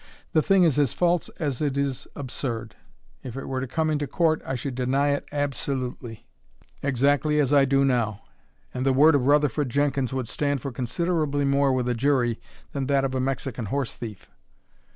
The thing is as false as it is absurd. If it were to come into court I should deny it absolutely, exactly as I do now. And the word of Rutherford Jenkins would stand for considerably more with a jury than that of a Mexican horse thief."